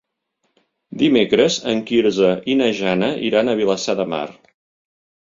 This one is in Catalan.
Dimecres en Quirze i na Jana iran a Vilassar de Mar.